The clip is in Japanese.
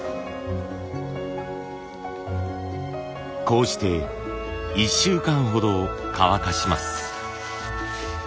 こうして１週間ほど乾かします。